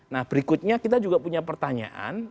nah berikutnya kita juga punya pertanyaan